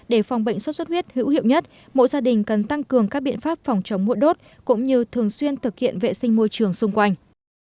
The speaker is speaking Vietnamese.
để phòng bệnh sốt xuất huyết hữu hiệu nhất mỗi gia đình cần tăng cường các biện pháp phòng chống mũi đốt cũng như thường xuyên thực hiện vệ sinh môi trường xung quanh